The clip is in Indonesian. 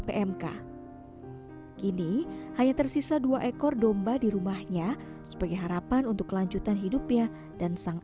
pmk kini hanya tersisa dua ekor domba di rumahnya sebagai harapan untuk kelanjutan hidupnya dan sang